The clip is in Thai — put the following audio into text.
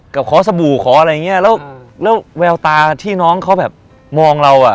ก็ขอสบู่ขออะไรอย่างเงี้ยแล้วแล้วแววตาที่น้องเขาแบบมองเราอ่ะ